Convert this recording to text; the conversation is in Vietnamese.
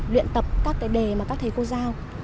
luyện tập các cái đề mà các thầy cô giao